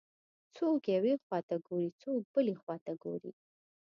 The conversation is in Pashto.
څوک یوې خواته ګوري، څوک بلې خواته ګوري.